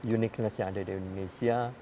uniqueness yang ada di indonesia